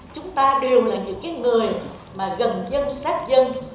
chúng ta đều là những người mà gần dân sát dân